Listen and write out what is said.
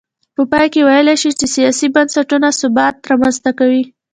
په پای کې ویلای شو چې سیاسي بنسټونه ثبات رامنځته کوي.